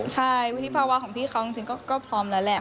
ใช่วุฒิภาวะของพี่เขาจริงก็พร้อมแล้วแหละ